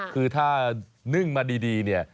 คือถ้านึ่งมาดีแบบนี้